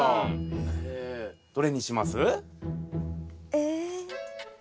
どれにします？え。